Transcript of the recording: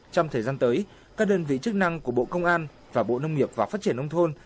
trong thời gian tới các đơn vị chức năng của bộ công an và bộ nông nghiệp và phát triển nông thôn